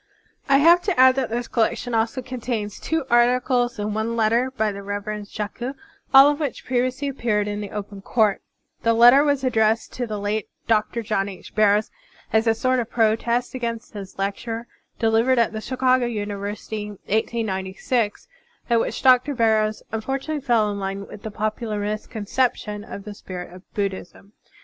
♦♦♦ I have to add that this collection also contains two articles and one letter by the Reverend Shaku, all of which previously appeared in The Open Court. The letter was addressed to the Digitized by Google VI TRANSLATOR S PREFACE late Dr. John H. Barrows as a sort of protest against his lecture delivered at the Chicago Uni versity, 1896, in which Dr. Barrows unfortunately fell in line with the popular misconception of the spirit of Buddhism.